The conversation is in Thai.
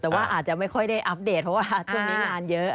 แต่ว่าอาจจะไม่ค่อยได้อัปเดตเพราะว่าช่วงนี้งานเยอะ